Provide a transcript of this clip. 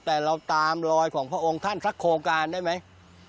แต่เราตามรอยของพระองค์ท่านสักโครงการได้ไหม